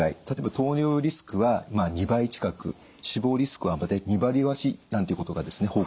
例えば糖尿リスクは２倍近く死亡リスクは大体２割増しなんていうことがですね